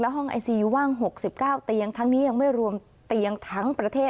ห้องไอซีว่าง๖๙เตียงทั้งนี้ยังไม่รวมเตียงทั้งประเทศ